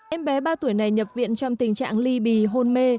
em bé ba tuổi này nhập viện trong tình trạng ly bì hôn mê